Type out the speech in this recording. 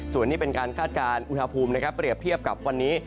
ส่วนนี้เป็นการคาดการณ์อุณหภูมินะครับเปรียบเทียบกับวันนี้